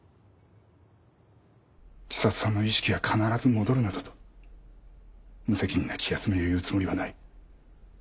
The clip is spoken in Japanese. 知里さんの意識が必ず戻るなどと無責任な気休めを言うつもりはない。